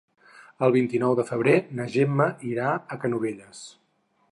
El vint-i-nou de febrer na Gemma irà a Canovelles.